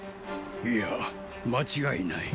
いや間違いない。